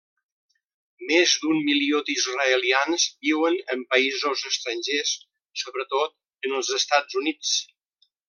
Més d'un milió d'israelians viuen en països estrangers, sobretot en els Estats Units.